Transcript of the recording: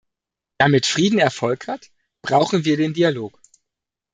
Damit Frieden Erfolg hat, brauchen wir den Dialog.